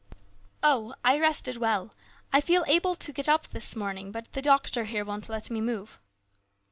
"Oh, I rested well. I feel able to get up this morning, but the doctor here won't let me move."